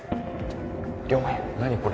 ・了平何これ？